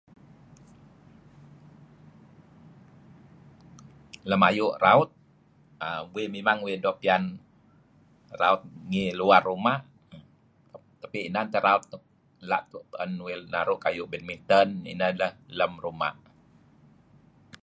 Lem ayu' raut, aaa... uih mimang uih doo' pian raut ngih luar ruma' tapi inan teh raut nuk la' tu'en uih naru' lem ruma' kayu' betminten. Ineh teh lem ruma.